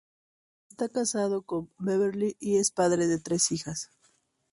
Está casado con Beverly y es padre de tres hijas.